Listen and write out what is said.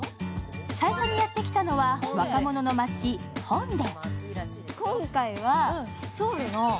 最初にやってきたのは若者の街・ホンデ。